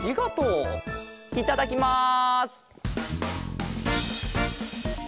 いただきます！